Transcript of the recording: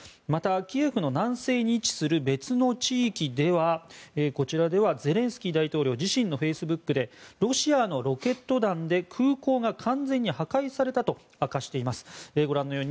また、キエフの南西に位置する別の地域ではゼレンスキー大統領自身のフェイスブックでロシアのロケット弾で空港が完全に破壊されたと明かしています。